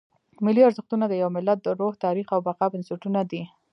ملي ارزښتونه د یو ملت د روح، تاریخ او بقا بنسټونه دي.